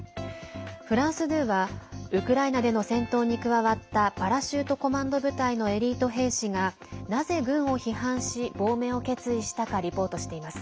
フランス２はウクライナでの戦闘に加わったパラシュートコマンド部隊のエリート兵士がなぜ軍を批判し亡命を決意したかリポートしています。